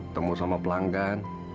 temu sama pelanggan